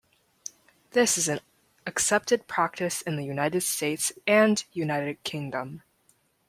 This is an accepted practice in the United States and United Kingdom.